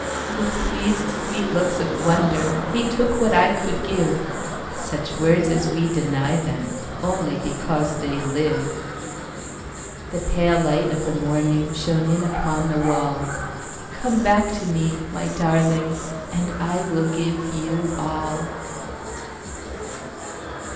With pleased sweet looks of wonderHe took what I could give,—Such words as we deny themOnly because they live. The pale light of the morningShone in upon the wall. Come back to me, my darling, And I will give you all.